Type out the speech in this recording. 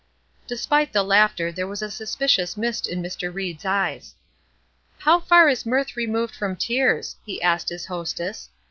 Despite the laughter there was a suspicious mist in Mr. Ried's eyes. "How far is mirth removed from tears?" he asked his hostess.